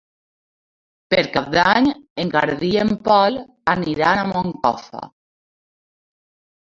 Per Cap d'Any en Garbí i en Pol aniran a Moncofa.